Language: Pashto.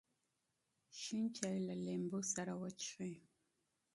شین چای له لیمو سره وڅښئ.